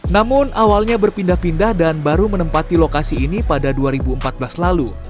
namun awalnya berpindah pindah dan baru menempati lokasi ini pada dua ribu empat belas lalu